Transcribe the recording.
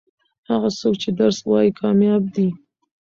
هغه څوک چې درس وايي کامياب دي.